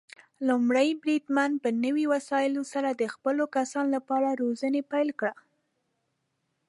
لومړی بریدمن په نوي وسايلو سره د خپلو کسانو لپاره روزنې پيل کړي.